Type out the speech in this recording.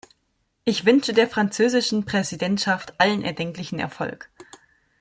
Ich wünsche der französischen Präsidentschaft allen erdenklichen Erfolg.